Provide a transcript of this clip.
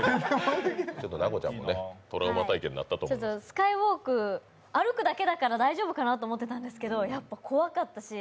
スカイウォーク歩くだけだから大丈夫かなと思ってたんですけど怖かったし。